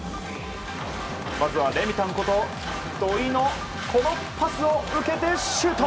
まずはレミたんこと土井のパスを受けて、シュート！